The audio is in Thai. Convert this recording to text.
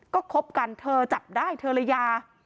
ก็คบกันเธอจับได้เธอระยา